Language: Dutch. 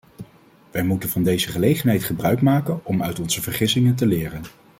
Wij moeten van deze gelegenheid gebruik maken om uit onze vergissingen te leren.